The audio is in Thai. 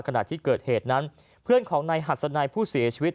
ขณะที่เกิดเหตุนั้นเพื่อนของนายหัสนัยผู้เสียชีวิต